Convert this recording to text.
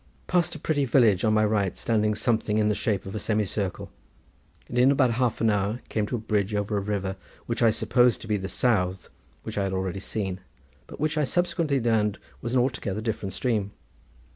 Passed a pretty village on my right standing something in the shape of a semi circle, and in about half an hour came to a bridge over a river which I supposed to be the Sawdde which I had already seen, but which I subsequently learned was an altogether different stream.